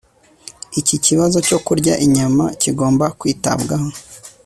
Iki kibazo cyo kurya inyama kigomba kwitabwaho